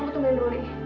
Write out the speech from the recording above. kamu tungguin ruli